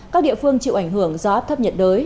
các địa phương chịu ảnh hưởng do áp thấp nhiệt đới